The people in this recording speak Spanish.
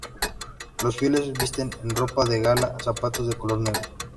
Los fieles visten en ropa de gala, zapatos de color negro.